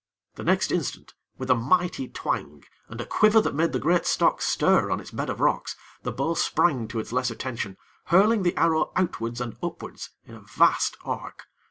The next instant, with a mighty twang, and a quiver that made the great stock stir on its bed of rocks, the bow sprang to its lesser tension, hurling the arrow outwards and upwards in a vast arc.